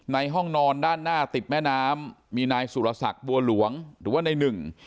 ห้องนอนด้านหน้าติดแม่น้ำมีนายสุรศักดิ์บัวหลวงหรือว่าในหนึ่ง